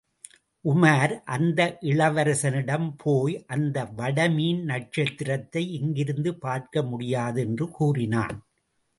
உமார் அந்த இளவரசனிடம் போய் அந்த வடமீன் நட்சத்திரத்தை இங்கிருந்து பார்க்க முடியாது என்று கூறினான்.